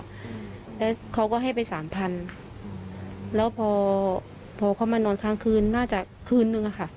อืมแล้วเขาก็ให้ไปสามพันแล้วพอพอเขามานอนข้างคืนน่าจะคืนนึงอะค่ะ